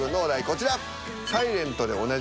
こちら。